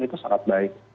itu sangat baik